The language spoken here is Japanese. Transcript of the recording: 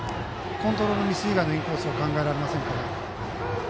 コントロールミス以外のインコースは考えられませんから。